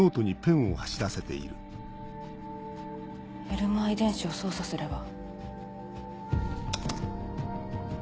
エルマー遺伝子を操作すれば？